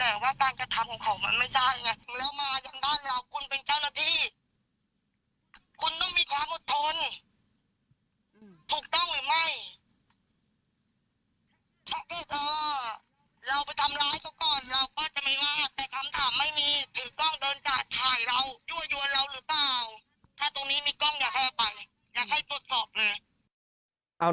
ถ้ามีกล้องอย่าให้ไปอย่าให้ตรวจสอบเลย